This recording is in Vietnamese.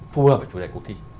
phù hợp với chủ đề cuộc thi